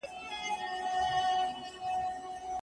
ځيني شرقي او زيات غربي هيوادونه.